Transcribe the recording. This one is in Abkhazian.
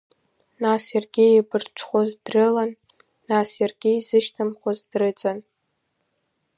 Нас иаргьы еибарҽхәоз дрылан, нас иаргьы изышьҭымхуаз дрыҵан.